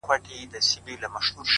ساده توب د ذهن دروندوالی کموي؛